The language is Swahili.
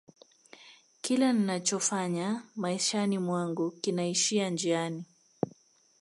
kila ninachofanya maishani mwangu kinaishia njiani